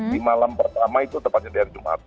di malam pertama itu tepatnya di hari jumat